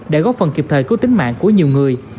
để góp phần kịp thời cứu tính mạng của nhiều người